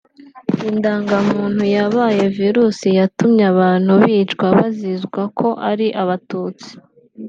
Indangamuntu yabaye virusi yatumye abantu bicwa bazizwa ko ari abatutsi